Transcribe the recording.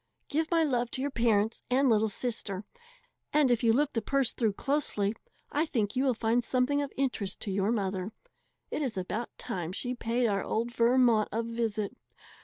Give my love to your parents and little sister; and if you look the purse through closely, I think you will find something of interest to your mother. It is about time she paid our old Vermont a visit.